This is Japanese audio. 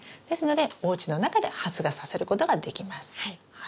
ですのでおうちの中で発芽させることができます。